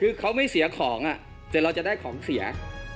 คือเขาไม่เสียของแต่เราจะได้ของเสีย